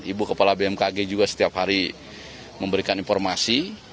ibu kepala bmkg juga setiap hari memberikan informasi